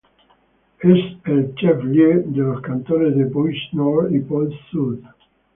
Es el "chef-lieu" de los cantones de Poissy-Nord y Poissy-Sud.